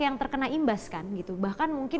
yang terkena imbas kan gitu bahkan mungkin